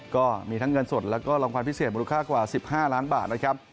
ก็มีทั้งเงินสดแล้วก็รางวัลพิเศษมูลค่ากว่า๑๕ล้านบาทนะครับ